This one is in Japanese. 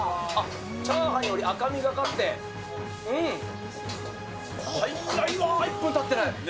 チャーハンより赤みがかって、うん、早いわー、１分たってない。